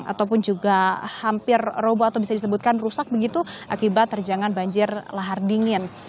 ataupun juga hampir robo atau bisa disebutkan rusak begitu akibat terjangan banjir lahar dingin